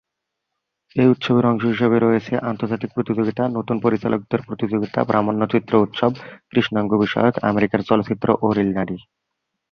এই উৎসবের অংশ হিসেবে রয়েছে আন্তর্জাতিক প্রতিযোগিতা, নতুন পরিচালকদের প্রতিযোগিতা, প্রামাণ্যচিত্র উৎসব, কৃষ্ণাঙ্গ বিষয়ক, আমেরিকার চলচ্চিত্র, ও রিল নারী।